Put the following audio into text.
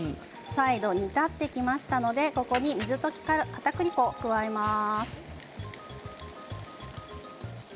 最後、煮立ってきたのでここに水溶きかたくり粉を再度、加えます。